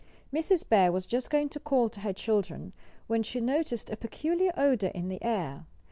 Mrs. Bear was just going to call to her children, when she noticed a peculiar odor in the air.